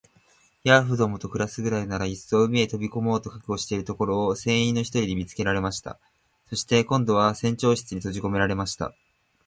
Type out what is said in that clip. ヤーフどもと暮すくらいなら、いっそ海へ飛び込もうと覚悟しているところを、船員の一人に見つけられました。そして、今度は船長室にとじこめられました。